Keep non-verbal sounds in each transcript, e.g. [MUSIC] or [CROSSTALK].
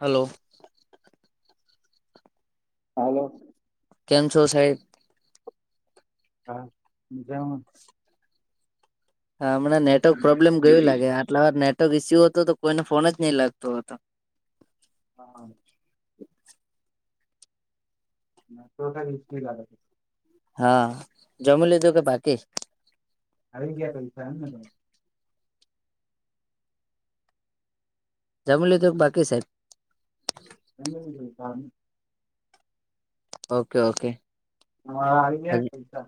Hello hello કેમ છો સાહેબ હા મજામાં હા હમણા નેટવર્ક પ્રોબ્લેમ ગયું લાગે આટલા વાર નેટવર્ક ઇસ્યુ હતું તો કોઈને ફોન જ નહીં લાગતો હતો હા [INAUDIBLE] હા જમી લીધું કે બાકી આવી ગયા પૈસા એમને જમી લીધું બાકી સાહેબ [INAUDIBLE] ઓકે ઓકે હા આવી ગયા પૈસા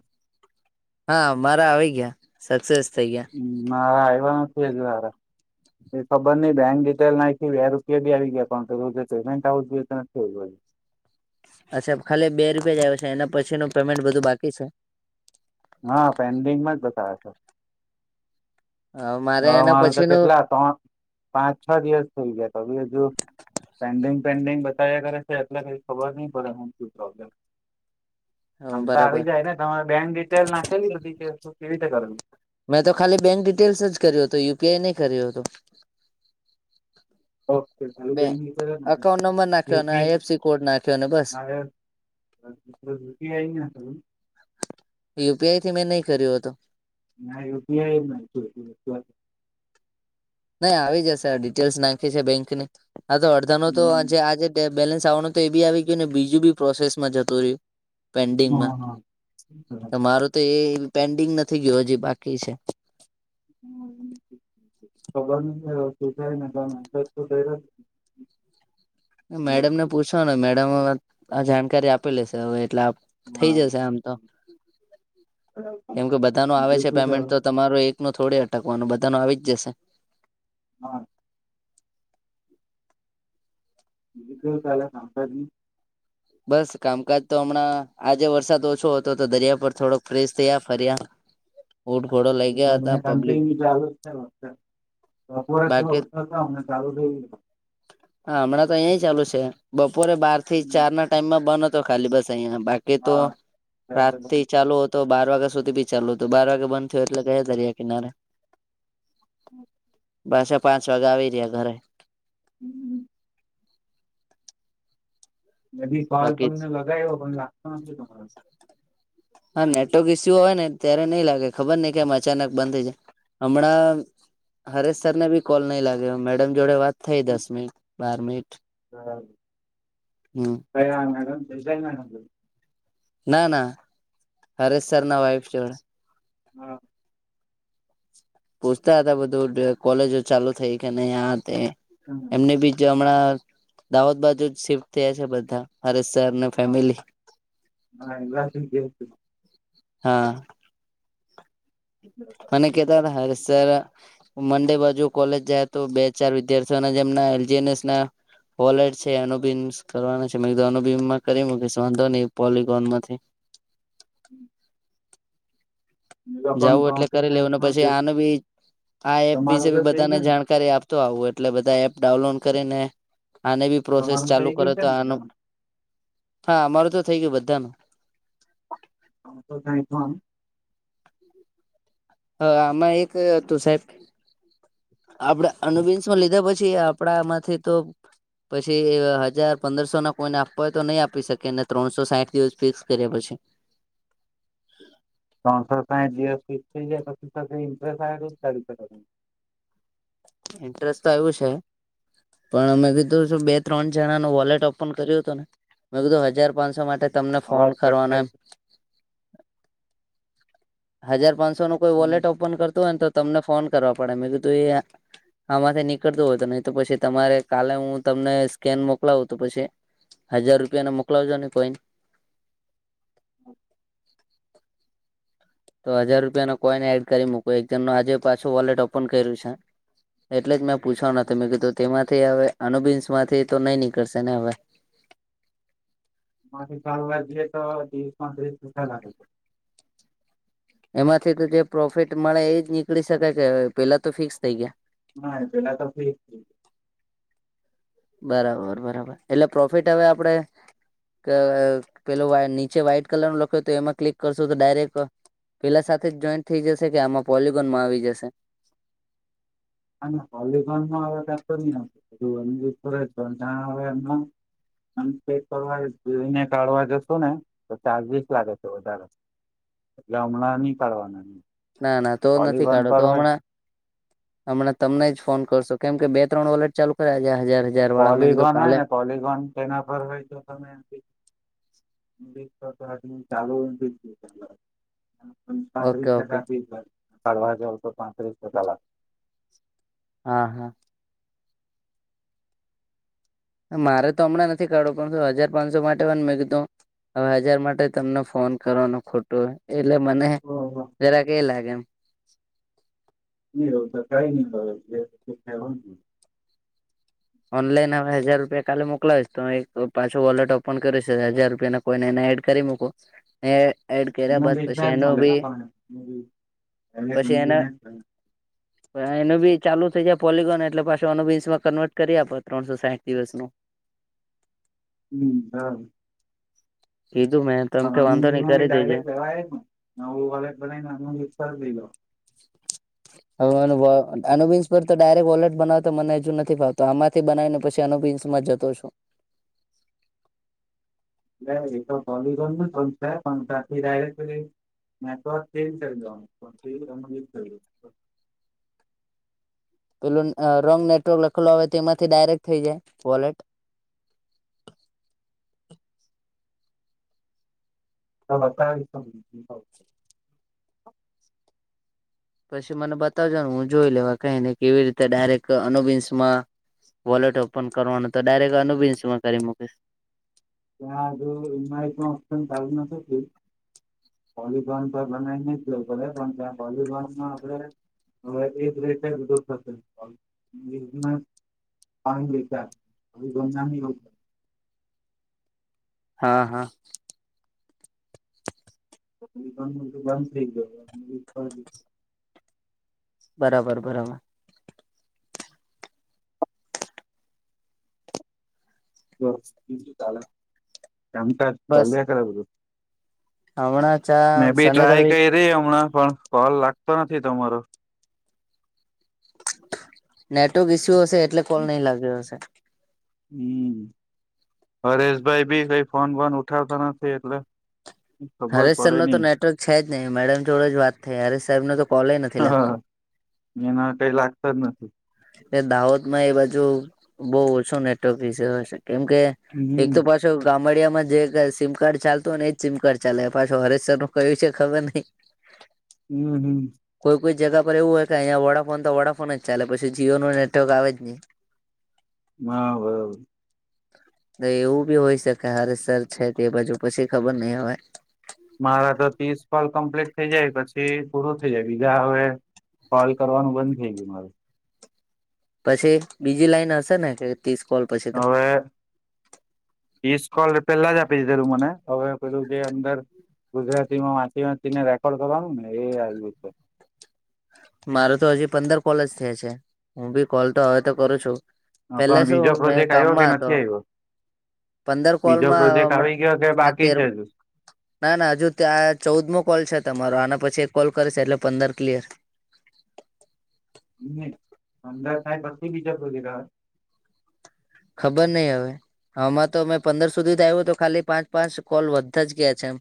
હા મારા આવી ગયા સક્સેસ થઇ ગયા હ મારા આયવા નથી હજુ એ ખબર ની બેંક ડિટેલ નાખી બે રૂપિયા બી આવી ગયા અઉન્ટ તો જે પેમેન્ટ આવું જોઈએ તો થયું અચ્છા ખાલી બે રૂપિયા જ આયવા છે એના પછીનું પેમેન્ટ બધું બાકી છે હા પેન્ડિંગમાં જ બતાવે છે હ મારે હવા એના મારું તો પછીનું કેટલા ત્રણ પાંચ છ દિવસ થઈ ગયા તો બી હજુ પેન્ડિંગ પેન્ડિંગ બતાવ્યા કરે છે એટલા કઈ ખબર નઈ પડે હું શે પ્રોબ્લેમ હ આમ તો બરાબર આવી જાય ને તમારે બેંક ડિટેલ નાખેલી બધી કે શું કેવી રીતે કરું મેં તો ખાલી બેંક ડિટેલ્સ જ કર્યું હતું યુપીઆઈ નહી કર્યું હતું બે ઓકે અકાઉન્ટ નંબર નાખ્યો અને આઈએફસી બેકયુપી કોડ નાખ્યો અને બસ હ. ઈ ત યુપીઆઈ થી મેં નહી કર્યો હતો ના યુપીઆઈ એુંસ્ત નહી આવી જશે ડિટેલ્સ નાખી છે બેંકની આ તો અડધાનો તો હમ આજેે બેલેન્સ આવવા તો એી આવી ગયું ને બીજું બી પ્રોસેસ માં જતું રહ્યું હા પેન્ડિંગમાં હા મારો તો એ પેન્ડિંગ નથી ગયયો હજી બાકી છે હમ ખબર સુું થાય અંદ તો ગ જ મેડમ ને પૂછવાનું મેડમ આ જાણકારી આપી લેશે હવે એટલે થઈ હા જશે આમ તો કેમ કે બધા ન આવે બીજું છે શું ચાલે પેમેન્ટ તો તમારો એક નો થોડે અટકવાનું બધા ન આવી જશે હા બલ ચાલે સતા ન બસ કામકાજ તો હમણાં આજે વરસાદ ઓછો હતો તો દરિયા પર થોડોક ફ્રેશ થયા ફર્યા [INAUDIBLE] ઉટઘોડા એ મને કપટાલ છેત તોપોરે બાકી અમને ચાલુ થઈ ગ હા હમણાં તો અહં ચાલુ છે બપોરે બાર થી ચાર ના બંધ હતો ખાલી બસ અહીિયાં બાકી તો ગયો હા રાત થી ચાલુ તો બાર વાગ્યા સુધી બી ચાલ્યું હતું બાર વાગે બંધ થયયો એટલે કયા દર કિનારે હમ પાસે પાંચ વાગે આવી રહ્યા ઘરે હમ બદીી કલ બાકી તમને લગાવ્યો પણ લાગતો નથી તમારો હા નેટવર્ક ઈસ્યુ હો ને ત્યારે નઈ લાગે ખબર નહ કે આમ અચાનક બંધ થઈ જાય હમણાં હરેશ સર ને બી કોલ નઈ લાગ્યો મેડમ જોડે વાત થઈ દસ મિનિટ બારમેીટ હા હમ ક હા મેડમ જાય મેડમ ના ના હરેશ સર ના વાઇફ છે હા પૂછતા હતા બધું કોલેજો ચાલુ થઈ કે નહ આ તે હ એમને બીજ હમણાં દાહોદ બાજુ જ શિફ્ટ થયા છે બધા ભરેતસને હા ફમ હા મને કેતા હતા હ સર મંડે બાજુ કોલેજ જયા તો બે ચાર વિદ્યાર્થીઓ જેમના એલજીનસ ના હોલેટ છે એનું બી કરવાનું છે એનું બીનમાં કરી મૂકીશ વાંધો નહી પોલિકોન માંથી હમ જવું એટલે કરી લેવું પછી આનું બી આ એપ તમારો વિશે તો બી થઈ બધાને ગયો ને જાણકારી આપ તો આવું એટલે બધા એપ ડાઉનલોડ કરીને આને બી પ્રોસેસ તમારું ચાલુ થઈ કરે ગયું છે તો ને આનું બધાનું હા અમારું તો થઇ ગયું બધામાં હ તો તઈ કોમ હ આમાં એક તું સાહેબ આપડે અનુબિન્શ માં લીધા પછી આપડા માંથી તો. પછી હજાર પંદરસો ના કોઈને આપવા હોય તો નહી આપી શકેને ત્રણસો સાઠ દિવસ ફિક્સ કરએ પછી. ત્રનસો સાઈટ દીવસ થી [UNINTELLIGIBLE] ઇન્ટરેસ્ટ તો આવું છે. પણ અમે કીધું બે ત્રણ જણા ન વોલેટ ઓપન કર્યું હત ને. મેં કીધું હજાર પાંચસો માટે તમને ફોન અવાજ કટ થાય કરવાનોમ. છે. હજાર પાંચસો નું કોઈ વોલેટ ઓપન કરતું હોય ને તો તમને ફોન કરવા પડે મેં કીધું એ આામાંથી નીકળતું હોય તો નહી તો પછી તમારે કાલે હું તમને સ્કેન મોકલાવું તો પછી. હજાર રૂપિયાને મોકલાવજો ને કોઈન. તો હજાર રૂપિયા ના કોઈને એડ કરી મૂક એક જમ ન આજે પાછું વોલેટ ઓપન કર્યું છે. એટલે જ મેં પૂછવાનું મેં કીધું તેમાંથી હવે અનુબિન્સ માંથી તો નઈ નીકળશે ને હવે. માછ કાલવા જએ તો દીસ પાંત્રીસ દસ લાગે. એમાંથી તો જે પ્રોફિટ મળે એજ નીકળી શકાય કે પેલા તો ફિક્સ થઈ ગયા. ના પેલા તો ફી જ. બરાબર બરાબર એટલે પ્રોફિટ હવે આપણે પેલો નીચે વ્હાઈટ કલર નું લખ્યો તો એમાં ક્લિક કરશો તો ડાયરેક્ટ. પેલા સાથે જ જોઈન્ટ થઈ જશે કે આમાં પોલગોનમાં આવી જશે. અને હોલગોનમાં હવે ક હ એમ. આમ ચેક કરવા જોઈને કાઢવા જશો ને તો ચાર્જસ લાગે છે વધારે. એટલે હમણાં નહી કાડવાાના ના ના તો નથી કાઢો તો હમણાં. હમણા તમને જ ફોન કરશો કેમ કે બે ત્રણ વોલેટ ચાલુ કર્યા હજાર હજાર. વાળા મેં કીધું પોલગોન હોય કાલે ને પોલિગોન તેના પર હોય તો તમે. [UNINTELLIGIBLE] તો ચાલુ પાંત્રીસ ઓકે ઓકે ટકાીડવા જ તો પાંત્રીસ ટકા લાગે. હા હા. મારે તો હમણાં નથી કાઢવું પણ હજાર પાંચસો માટે વાનું મેં કીધું. હવે હજાર માટે તમને ફોન કરવાનો ખોટો એટલે મને જરા કે લાગે એમ. એ એવ તો કઈ નહી ઓનલાઈન હવે હજાર રૂપિયા કાલે મોકલાવીશ તો એક પાછો વોલેટ ઓપન કરીશ હજાર રૂપિયા. કોઈને એને એડ કરી મુકુ એ એડ કર્યા બાદ મળે પછી એનું બી પછી એના. ને એનું બી ચાલુ થઇ જાય પોલગોન એટલે પાછ અનુમાં કન્વર્ટ કરી આપ ત્રણસો સાહીઠ દિવસ નું. હમ હા. કીઘુ મે. હ મી મી ડાયરેક્ટ લેવા નેું વાલે ભને લવ હ બી પર તો ડાયરેક વોલેટ બનાવતો મને હજુ નથી ફાવતો આમા. બનાવી ને પછી પિન્સ માં જતો છું એ એ તો કોલી પણ તથી ડાયરેક્ટ. નેટવર્ક ચેન્જ કરીદો [UNINTELLIGIBLE] પેલું રોંગ નેટવર્ક લખેલો હો તેમાંથી ડાયરેક્ટ થઈ જાય વોલેટ. હ [UNINTELLIGIBLE] પછી મને બતાવજો ને હું જોઈ લેવા કને કેવી રીતે ડાયરેક્ટ અનુિન્સ માં. વોલેટ ઓપન કરવાનું તો ડાયરેક અનુબિન્સમાં કરી મૂકીશ. ત્યા આજ એઈ પણ ઓ ચાલુ નથી. પોલિકોન પર બનાવી નું પે પણ ત્યાં પોલિકોનમાં આપડે. હવે એ જ રેટું થશે. [UNINTELLIGIBLE] પાજ [UNINTELLIGIBLE] હા હા. બંધ થઈ ગયો. બરાબર બરાબર. [UNINTELLIGIBLE] કામ કાજ ચાલ્યા કરે બધું હમણા ચા મે બી શનિ ટ્રાય રવિ કયરી અમણાં પણ કોલ લાગતો નથી તમારો નેટવર્ક ઈસ્યુ હશે એટલે કોલ નહી લાગ્યો હશે હમ હરેશભાઈ ભી કઈ ફોન વોન ઉઠાવતા નથી એટલે [INAUDIBLE] ખબર હરેશ સર પડે નો તો નઈ નેટવર્ક છે, જ નહીં મેડમ જોડે જ વાત થઈ હરેશ સાહેબ નો તો કોલય નથી હ લાગતો એના કઈ લાગતા જ નથી એ દાહોદ માં એ બાજુ બો ઓછો નેટવર્ક વિષે હશે કેમ કે એક હમ તો પાછો ગામડિયામાં જે સિમ કાર્ડ ચાલતું હો ને જ સિમ કાર્ડ ચાલે પાછો હરેશ સર નું કયું છે, ખબર નહિ હમ હમ. કોઈ કોઈ જગા પર એવું હોય કે અહીંયા વડાફોન તો વડાફોન જ ચાલે પછી જીઓ નો નેટવર્ક આવે જ ની [INAUDIBLE] બરાબર. એવું બી હોય શકે હરે સર છે, તે બાજુ પછી ખબર નઈ હવે મારા ત ત્રીસ કોલ કમ્પ્લીટ થઇ જાય પછી પૂરું થઈ જાય બીજા હવે કોલ કરવાનું બંધ થઈ ગયું મારુ પછી બીજી લાઈન હશે ને કે ત્રીસ કોલ પછી ત? ઈસકોલ પેલા જ આપી દીધેલું મને અવે પેલું જે અંદર ગુજરાતીમાં વાચી વાંચી ને રેકોર્ડ કરવાનું ને એ આવ્યું છે. મારો તો હજી પંદર કોલ જ થયા છે, હું બી કોલ તો હવે તો કરું છું. પેલે પણ શું બીજો મેં પ્રોજેક્ટ આવ્યો કે કામમાં હતો નથી આવ્યો પંદર બીજો કોલમાં પ્રોજેક્ટ હમણાં આવી ગયો કે આ બાકી તેર છે હજુ ના ના હજુ ત્યાં ચૌદમો કોલ છે, તમારો આના પછી એક કોલ કરશે એટલે પંદર ક્લિયર [INAUDIBLE] ખબર નય અવે હમાં તો મે પંદર સુધી જ આવ્યું તો ખાલી પાંચ પાંચ કોલ વધતા જ ગયા છે, એમ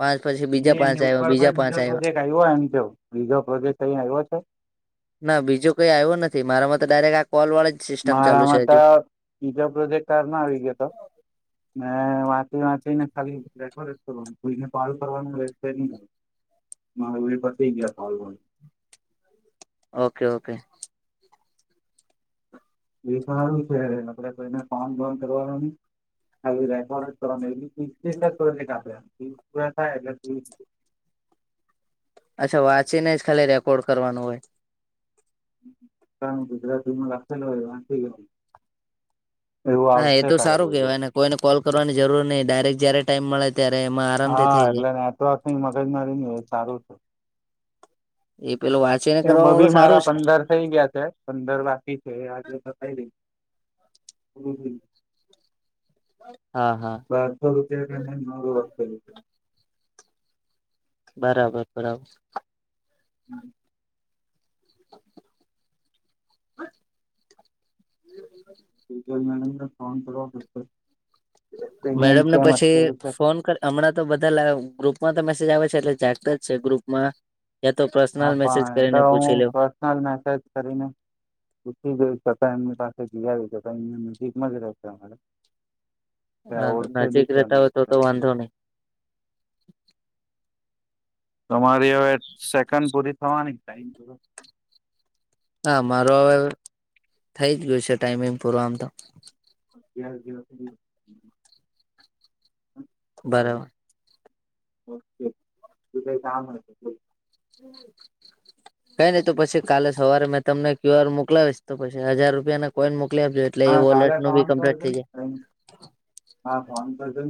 પાંચ પછી બીજા ની પાંચ એની આવ્યા ઉપર પર બીજા પાંચ બીજો ધોધ આવ્યા એક આવ્યો એમ કેવ બીજો પ્રદેશ [UNINTELLIGIBLE] છે. ના બીજું કઈ આવ્યો નથી મારામાં તો ડાયરેક્ટ આ કોલ વાળા મારામાં તો બીજો પ્રોજેક્ટ તારમાં આવી ગયો ત મે વા ચી વાંચી ને ખાલી રેકોર્ડ કરવાનુ કોઈને પાલ કરવાનું રેશે ની [INAUDIBLE] ઓકે ઓકે એ સારું છે, આપડે કોઈને ફોન બોન કરવાનુ ની [INAUDIBLE] અચ્છા વાંચીને જ ખાલી રેકોર્ડ કરવાનું હોય કામ ગુજરાતીમાં લખેલ હોય વાંચી ગયો એવું હા એ આવશે તો તારા સારું બધું કેહેવાય ને કોઈને કોલ કરવાની જરૂર નય ડાયરેક્ટ જયારે ટાઈમ મળે ત્યારેમાં હા એટલે નેટ મગજ મારી ની એ સારું એ પેલુ વા એમા બી મારા પંદર થઈ ગયા છે, પંદર બાકી છે, આજે પતાય હમ હમ. હા હા. [INAUDIBLE] બરાબર બરાબર હમ. હ ફન કરવા મેડમને પછી છે ફોન કર હમણાં તો બધા ગ્રુપમાં તો મેસેજ આવે છે એટલે જાગત જ છે ગ્રુપ માં યા તો પર્સનલ મેસેજ કરીને પૂછી લેવ મેસજ કરીેને પછી ગય છતાં એમની પાસે જી આવીતા એમની નજીકમાં જ રહેશે અમારે ત્યાં હા ઓળખે બી નજીક છે રેતા એમને હોય તો તો વાંધો નહીિ તમારી હવે સેકન્ડ પૂરી થવાની ટાઈમ પ હા મારો હવે થઈ જ ગયું છે ટાઈમિંગ પૂર આમ તો બરાબર [INAUDIBLE] ઓકે તું કઈ કામ હમ કઈ નહીિ તો પછી કાલે સરેં તમને ક્યુઆર મોકલાવીશ તો પછી હજાર રૂપિયાને કોઈને મોકલી આપજે હા કાલે ફોન કરજો હા ફોન કરજો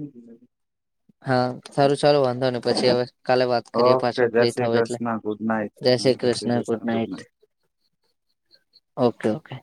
હા સારું સારું વાંધો નને પછી હવે કાલે વાત કરીએ ઓકે પાછું જય ફ્રી શ્રી થવું એટલે કૃષ્ણ ગુડ નાઈટ જય Shri Krishna good night okay okay